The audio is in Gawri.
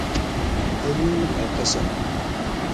اۤنُوج اٞ قصہ